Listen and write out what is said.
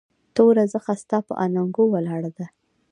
توره زخه ستا پهٔ اننګو ولاړه ده